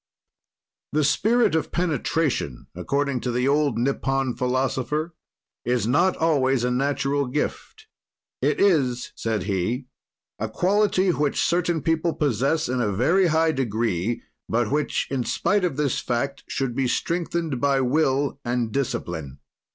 The spirit of penetration, according to the old Nippon philosopher, is not always a natural gift. "It is," said he, "a quality which certain people possess in a very high degree but which in spite this fact should be strengthened by will and discipline.